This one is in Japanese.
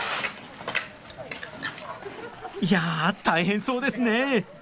いや大変そうですねえ。